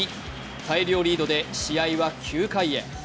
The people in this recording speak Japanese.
大量リードで試合は９回へ。